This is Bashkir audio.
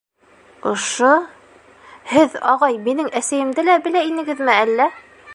Ошо... һеҙ, ағай, минең әсәйемде лә белә инегеҙме әллә?